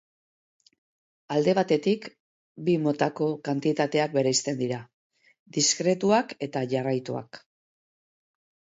Alde batetik, bi motako kantitateak bereizten dira: diskretuak eta jarraituak.